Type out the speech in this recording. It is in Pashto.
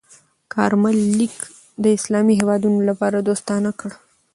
کارمل لیک د اسلامي هېوادونو لپاره دوستانه کړ.